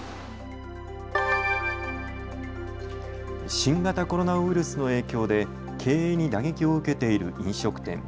新型コロナウイルスの影響で経営に打撃を受けている飲食店。